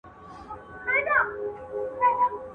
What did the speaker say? ما جوړ كړي په قلاوو كي غارونه.